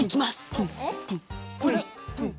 プンプンプンプン。